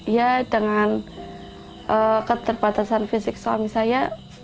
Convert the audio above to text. ya dengan keterbatasan fisik suami saya